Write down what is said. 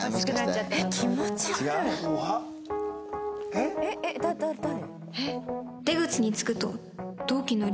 えっ誰？